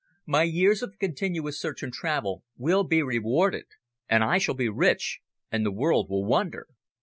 My years of continuous search and travel will be rewarded and I shall be rich, and the world will wonder!"